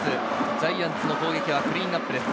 ジャイアンツの攻撃はクリーンナップです。